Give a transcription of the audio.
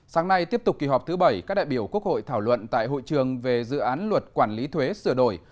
sáng nay tiếp tục kỳ họp thứ bảy các đại biểu quốc hội thảo luận tại hội trường về dự án luật quản lý thuế sửa đổi